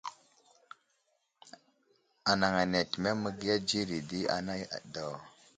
Anaŋ ane atəmeŋ məgiya dzire di aŋga anidaw.